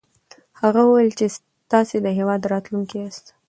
هغه وويل چې تاسې د هېواد راتلونکی ياست.